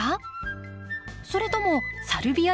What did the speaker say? それともサルビアですか？